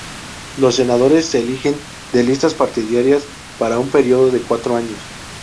Los senadores se eligen de listas partidarias para un período de cuatro años.